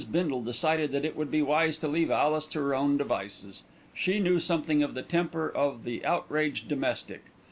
Bindle decided that it would be wise to leave Alice to her own devices. She knew something of the temper of the outraged domestic.